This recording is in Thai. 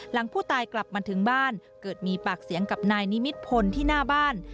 หลังผู้ตายกลับมาถึงบ้านเกิดมีปากเสียงกับนายนิมิตพลที่หน้าบ้าน